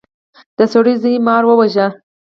د سړي زوی مار وواژه.